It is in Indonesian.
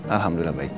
alhamdulillah baik pak